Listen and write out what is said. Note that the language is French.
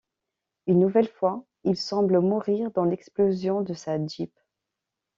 Une nouvelle fois, il semble mourir dans l'explosion de sa jeep.